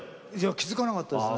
気付かなかったですね。